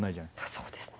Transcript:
そうですね。